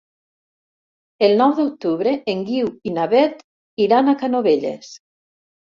El nou d'octubre en Guiu i na Beth iran a Canovelles.